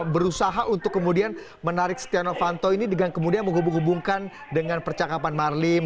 berusaha untuk kemudian menarik setia novanto ini dengan kemudian menghubung hubungkan dengan percakapan marlim